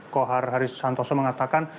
kohar haris santoso mengatakan